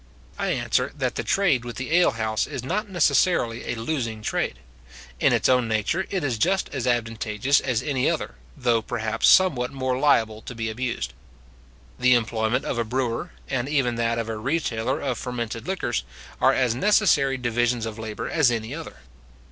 I answer, that the trade with the alehouse is not necessarily a losing trade. In its own nature it is just as advantageous as any other, though, perhaps, somewhat more liable to be abused. The employment of a brewer, and even that of a retailer of fermented liquors, are as necessary divisions of labour as any other.